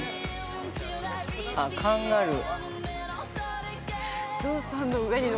あっ、カンガルー。